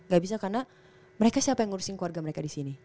gak bisa karena mereka siapa yang ngurusin keluarga mereka di sini